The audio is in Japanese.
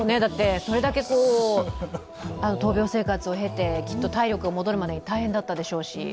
それだけ闘病生活を経て、きっと体力が戻るまで大変だったでしょうし。